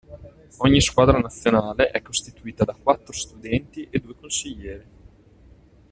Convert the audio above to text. Ogni squadra nazionale è costituita da quattro studenti e due consiglieri.